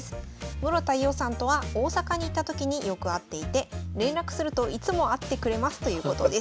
室田伊緒さんとは大阪に行った時によく会っていて連絡するといつも会ってくれますということです。